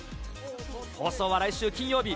放送は来週金曜日。